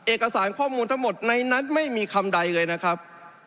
เอกสารข้อมูลทั้งหมดในนั้นไม่มีคำใดเลยนะครับ